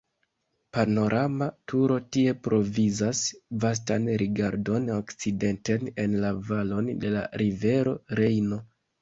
Panorama turo tie provizas vastan rigardon okcidenten en la valon de la rivero Rejno.